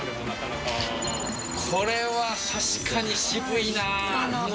これは確かに渋いなあ。